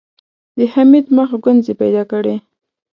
د حميد مخ ګونځې پيدا کړې.